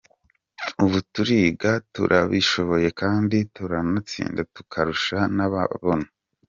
Ubu turiga turabishoboye kandi turanatsinda tukarusha n’ababona.